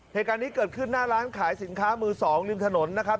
เหตุการณ์นี้เกิดขึ้นหน้าร้านขายสินค้ามือสองริมถนนนะครับ